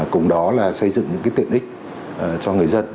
cùng đó là xây dựng những tiện ích cho người dân